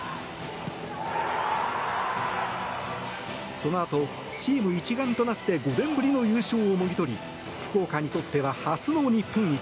そのあと、チーム一丸となって５年ぶりの優勝をもぎ取り福岡にとっては初の日本一。